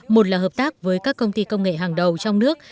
một là hợp tác với các công ty công nghệ hàng đầu trong nước